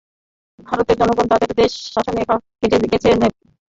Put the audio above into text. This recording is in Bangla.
ভারতের জনগণ তাদের দেশ শাসনে কাকে বেছে নেবে, সেটা তাদের সিদ্ধান্তের বিষয়।